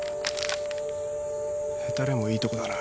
へたれもいいとこだな。